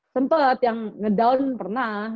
sempet yang ngedown pernah